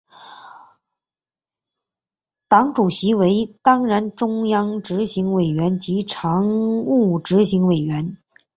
党主席为为当然中央执行委员及常务执行委员。